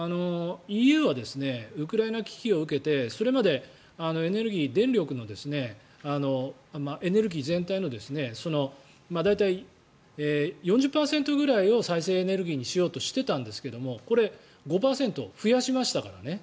ＥＵはウクライナ危機を受けてそれまでエネルギー全体の大体４０％ぐらいを再生エネルギーにしようとしていたんですがこれ、５％増やしましたからね。